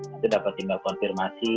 nanti dapat email konfirmasi